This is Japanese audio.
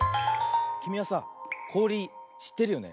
きみはさこおりしってるよね？